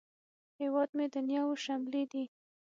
هیواد مې د نیاوو شملې دي